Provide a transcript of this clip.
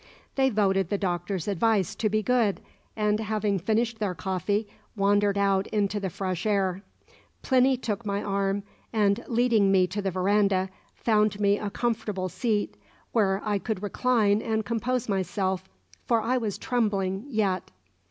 They voted the Doctor's advice to be good, and, having finished their coffee, wandered out into the fresh air. Plinny took my arm, and, leading me to the verandah, found me a comfortable seat, where I could recline and compose myself, for I was trembling yet.